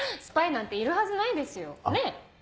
スパイなんているはずないですよねぇ。